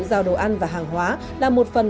giao đồ ăn và hàng hóa là một phần